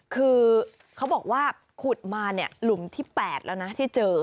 คือเขาบอกว่าขุดมาหลุมที่๘แล้วนะที่เจอ